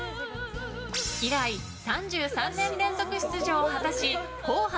以来、３３年連続出場を果たし「紅白」